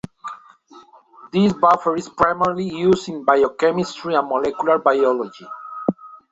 This buffer is primarily used in biochemistry and molecular biology.